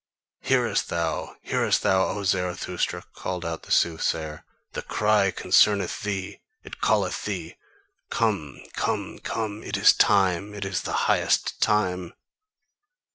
"Hearest thou? Hearest thou, O Zarathustra?" called out the soothsayer, "the cry concerneth thee, it calleth thee: Come, come, come; it is time, it is the highest time!"